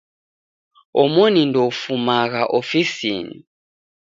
Omoni ndoufumagha ofisinyi.